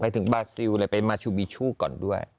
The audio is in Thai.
ถึงบาซิลเลยไปมาชูบิชูก่อนด้วย